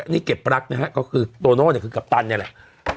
นี่เก็บรักนะฮะก็คือโตโน่เนี่ยคือกัปตันเนี่ยแหละ